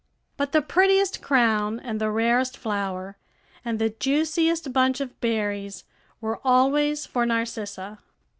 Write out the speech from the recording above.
But the prettiest crown, and the rarest flower, and the juiciest bunch of berries were always for Narcissa.